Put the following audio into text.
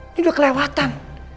ini udah kelewatan